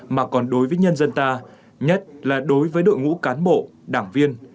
mà còn đối với nhân dân ta nhất là đối với đội ngũ cán bộ đảng viên